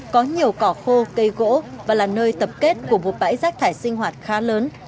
có nhiều cỏ khô cây gỗ và là nơi tập kết của một bãi rác thải sinh hoạt khá lớn